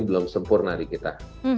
belum sempurna di kita